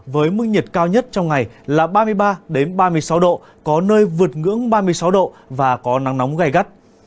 với mức nhiệt cao nhất trong ngày là ba mươi ba ba mươi sáu độ có nơi vượt ngưỡng ba mươi sáu độ và có nắng nóng gai gắt